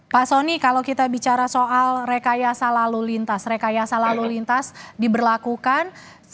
pak soni kalau kita bicara soal rekayasa lalu lintas rekayasa lalu lintas diberlakukan